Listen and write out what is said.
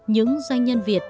những doanh nhân việt